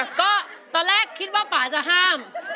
คุณไม่กลัวเหรอตอนแรกคิดว่าป่าจะห้าม